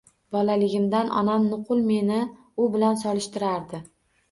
Bolaligimdan onam nuqul meni u bilan solishtirardi